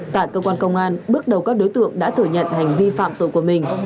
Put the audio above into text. tại cơ quan công an bước đầu các đối tượng đã thừa nhận hành vi phạm tội của mình